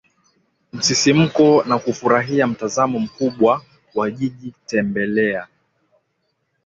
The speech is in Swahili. msisimko na kufurahia mtazamo mkubwa wa jiji Tembelea